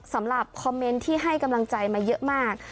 สำหรับคอมเมนต์ที่ให้กำลังใจมาเยอะมาก